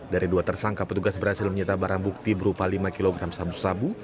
dari dua tersangka petugas berhasil menyita barang bukti berupa lima kg sabu sabu